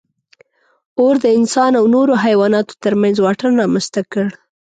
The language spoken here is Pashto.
اور د انسان او نورو حیواناتو تر منځ واټن رامنځ ته کړ.